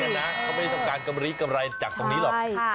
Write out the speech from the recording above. เขาไม่ต้องการกรรมรีกรรมไรจากตรงนี้หรอก